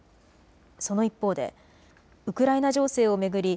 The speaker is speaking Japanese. その一方でウクライナ情勢を巡り